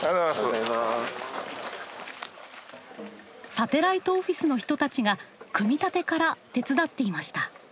サテライトオフィスの人たちが組み立てから手伝っていました。